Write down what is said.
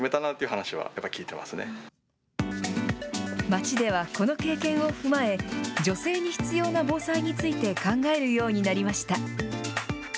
町では、この経験を踏まえ、女性に必要な防災について考えるようになりました。